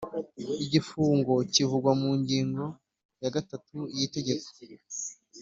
igifungo kivugwa mu ngingo ya gatatu y Itegeko